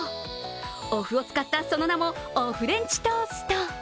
おふを使った、その名もお麩レンチトースト。